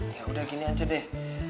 ya udah gini aja deh